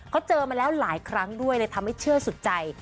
เขาเจอมาแล้วหลายครั้งด้วยเลยทำให้เชื่อสุดใจ